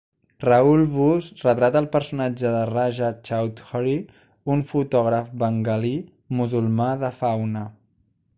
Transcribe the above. Rahul Boose retrata el personatge de Raja Chowdhury, un fotògraf bengalí musulmà de fauna.